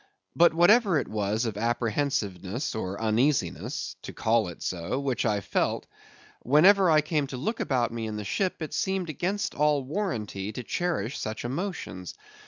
But whatever it was of apprehensiveness or uneasiness—to call it so—which I felt, yet whenever I came to look about me in the ship, it seemed against all warrantry to cherish such emotions.